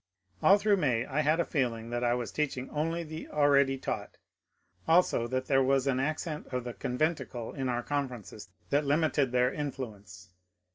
AH through May I had a feeling that I was teaching only the already taught ; also that there was an accent of the conventicle in our conferences that limited their influence.